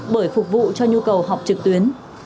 bởi phục vụ cho nhu cầu học trực tuyến